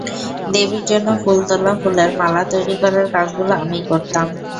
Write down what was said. দেবীর জন্য ফুল তোলা, ফুলের মালা তৈরি করার কাজগুলো আমিই করতাম।